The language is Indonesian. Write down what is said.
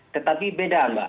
tetapi beda mbak